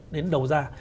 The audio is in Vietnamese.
đến đầu ra